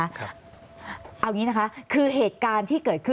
เอาอย่างนี้นะคะคือเหตุการณ์ที่เกิดขึ้น